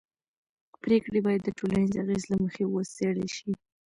پرېکړې باید د ټولنیز اغېز له مخې وڅېړل شي